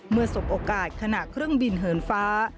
สบโอกาสขณะเครื่องบินเหินฟ้า